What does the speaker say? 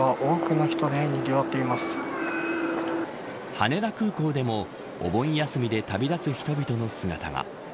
羽田空港でもお盆休みで旅立つ人々の姿が。